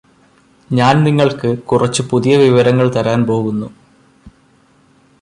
ഞാന് നിങ്ങൾക്ക് കുറച്ച് പുതിയ വിവരങ്ങള് തരാൻ പോകുന്നു